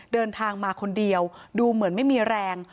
เดินทางมาคนเดียวดูเหมือนไม่มีแรง